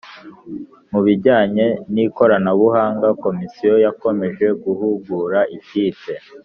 Mu bijyanye n ikoranabuhanga Komisiyo yakomeje guhugura ikipe